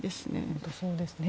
本当にそうですね。